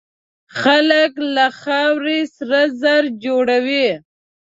خلک له خاورو سره زر جوړوي.